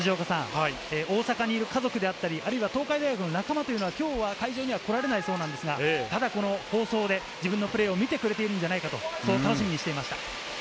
大阪にいる家族であったり、東海大の仲間は今日は会場には来られないそうですが、この放送で自分のプレーを見てくれているんじゃないか、そう楽しみにしていました。